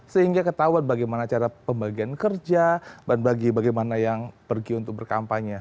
sehingga ketahuan bagaimana cara pembagian kerja dan bagi bagaimana yang pergi untuk berkampanye